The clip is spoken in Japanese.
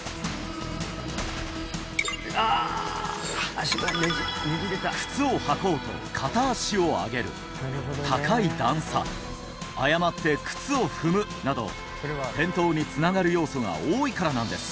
それが靴を履こうと片足を上げる高い段差誤って靴を踏むなど転倒につながる要素が多いからなんです